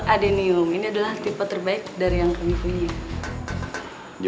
karena kesetak nomor satu